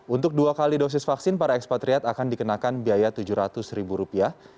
untuk dua kali dosis vaksin para ekspatriat akan dikenakan biaya tujuh ratus ribu rupiah